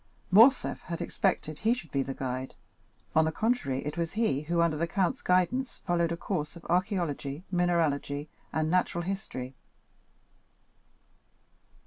Morcerf had expected he should be the guide; on the contrary, it was he who, under the count's guidance, followed a course of archæology, mineralogy, and natural history.